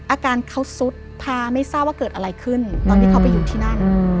อาการเขาสุดพาไม่ทราบว่าเกิดอะไรขึ้นตอนที่เขาไปอยู่ที่นั่น